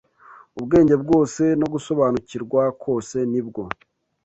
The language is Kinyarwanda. ubwenge bwose no gusobanukirwa kose ni bwo